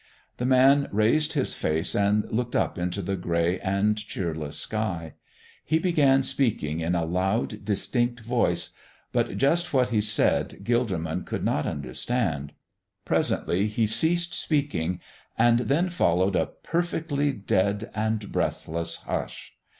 The Man raised His face and looked up into the gray and cheerless sky. He began speaking in a loud, distinct voice, but just what He said Gilderman could not understand. Presently He ceased speaking, and then followed a perfectly dead and breathless hush.